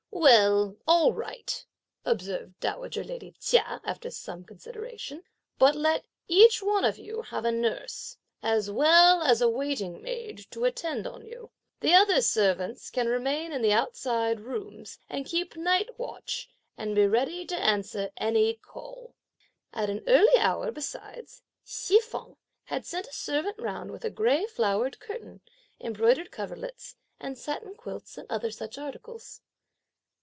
"Well, all right," observed dowager lady Chia, after some consideration; "but let each one of you have a nurse, as well as a waiting maid to attend on you; the other servants can remain in the outside rooms and keep night watch and be ready to answer any call." At an early hour, besides, Hsi feng had sent a servant round with a grey flowered curtain, embroidered coverlets and satin quilts and other such articles.